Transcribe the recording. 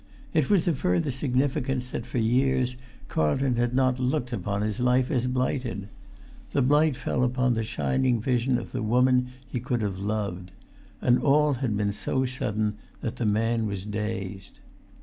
It was of further significance that for years Carlton had not looked upon his life as blighted. The blight fell upon the shining vision of the woman he could have loved. And all had been so sudden that the man was dazed.